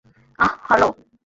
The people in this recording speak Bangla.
আহ, হার্লো?